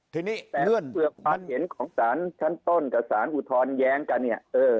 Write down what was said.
ทีนี้แต่ความเห็นของสารชั้นต้นกับสารอุทธรณ์แย้งกันเนี่ย